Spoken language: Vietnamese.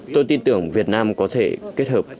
tôi tin tưởng việt nam có thể kết hợp